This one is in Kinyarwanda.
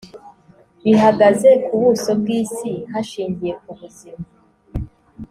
bihagaze ku buso bw isi hashingiye ku buzima